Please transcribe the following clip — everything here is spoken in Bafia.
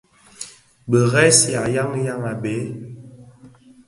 Bu i resihà dyangdyag béé.